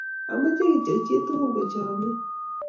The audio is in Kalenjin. Amache kityo chi tukul kochomya